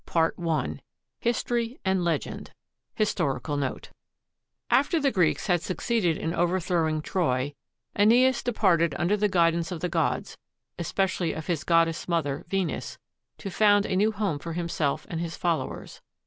I ROME I HISTORY AND LEGEND HISTORICAL NOTE After the Greeks had succeeded in overthrowing Troy, /Eneas departed under the guidance of the gods, especially of his goddess mother Venus, to found a new home for him self and his followers.